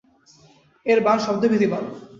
এর বাণ শব্দভেদী বাণ।